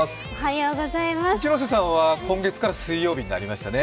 一ノ瀬さんは今月から水曜日になりましたね。